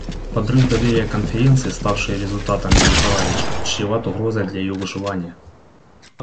Подрыв доверия к Конференции, ставший результатом ее паралича, чреват угрозой для ее выживания.